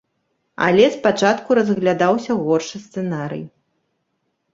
Але спачатку разглядаўся горшы сцэнарый.